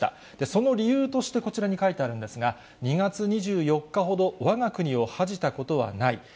その理由として、こちらに書いてあるんですが、２月２４日ほど、わが国を恥じたことはない。